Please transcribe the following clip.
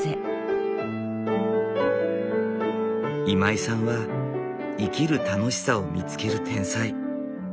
今井さんは生きる楽しさを見つける天才。